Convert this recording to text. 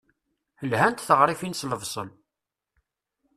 Lhant teɣrifin s lebṣel.